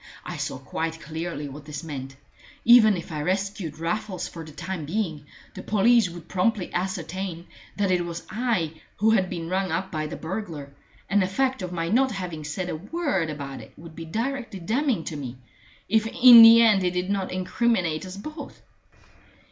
I saw quite clearly what this meant. Even if I rescued Raffles for the time being, the police would promptly ascertain that it was I who had been rung up by the burglar, and the fact of my not having said a word about it would be directly damning to me, if in the end it did not incriminate us both.